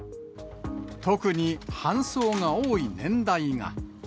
特に搬送が多い年代が。